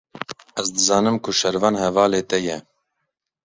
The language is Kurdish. Ez dizanim ku Şervan hevalê te ye.